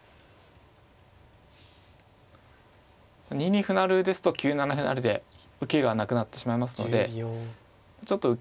２二歩成ですと９七歩成で受けがなくなってしまいますのでちょっと受け